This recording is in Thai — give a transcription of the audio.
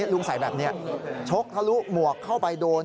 ใส่แบบนี้ชกทะลุหมวกเข้าไปโดน